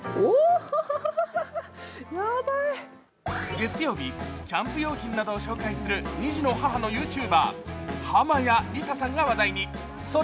月曜日、キャンプ用品などを紹介する２児の母のＹｏｕＴｕｂｅｒ、濱屋理沙さんが話題に。